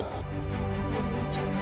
các ý kiến chuyên gia